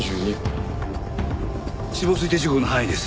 死亡推定時刻の範囲です。